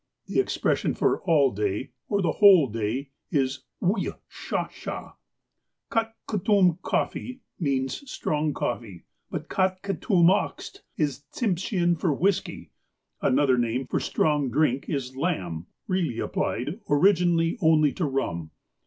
The expression for "all day" or the whole day is "oui' — sha sha." "Katketum coffee," means "strong coffee" ; but " katketum akst " is Tsimsheau for "whiskey." An other name for strong drink is "lamb," really applied originally only to rum.